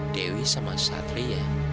dewi sama satria